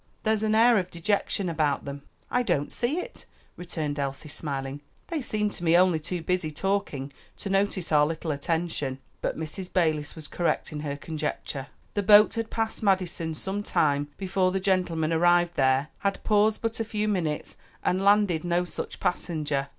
"There's an air of dejection about them." "I don't see it," returned Elsie, smiling. "They seem to me only too busy talking to notice our little attention." But Mrs. Balis was correct in her conjecture. The boat had passed Madison some time before the gentlemen arrived there, had paused but a few minutes and landed no such passenger.